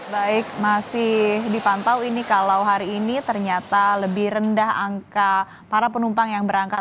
baik masih dipantau ini kalau hari ini ternyata lebih rendah angka para penumpang yang berangkat